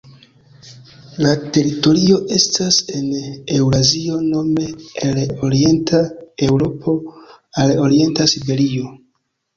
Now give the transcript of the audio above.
La teritorio estas en Eŭrazio nome el orienta Eŭropo al orienta Siberio.